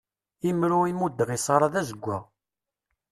Imru i muddeɣ i Sarah d azeggaɣ.